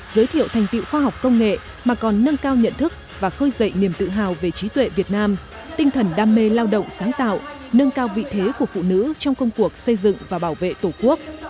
giới thiệu thành tiệu khoa học công nghệ mà còn nâng cao nhận thức và khơi dậy niềm tự hào về trí tuệ việt nam tinh thần đam mê lao động sáng tạo nâng cao vị thế của phụ nữ trong công cuộc xây dựng và bảo vệ tổ quốc